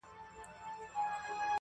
یې دا اندازه لګولې ده